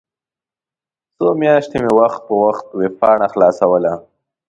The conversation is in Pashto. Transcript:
څو میاشتې مې وخت په وخت ویبپاڼه خلاصوله.